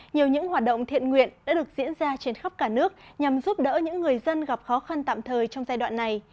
nhiều những hoạt động thiện nguyện đã được diễn ra trên khắp cả nước nhằm giúp đỡ những người dân gặp khó khăn tạm thời trong giai đoạn này